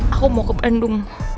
aku mau ke pendung